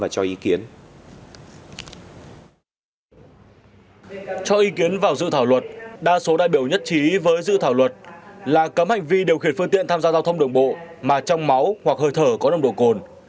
cho ý kiến vào dự thảo luật đa số đại biểu nhất trí với dự thảo luật là cấm hành vi điều khiển phương tiện tham gia giao thông đường bộ mà trong máu hoặc hơi thở có nồng độ cồn